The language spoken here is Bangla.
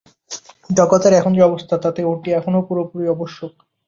জগতের এখন যে অবস্থা, তাতে ওটি এখনও পুরোপুরি আবশ্যক।